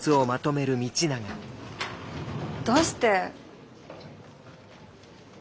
どうして。